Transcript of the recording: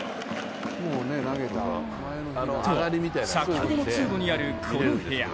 と、先ほどの通路にあるこの部屋。